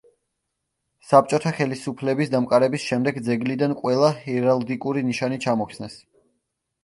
საბჭოთა ხელისუფლების დამყარების შემდეგ ძეგლიდან ყველა ჰერალდიკური ნიშანი ჩამოხსნეს.